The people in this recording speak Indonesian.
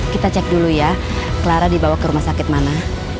kita cek dulu ya clara dibawa ke rumah sakit mana